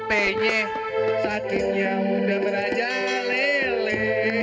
pnj sakitnya muda meraja lele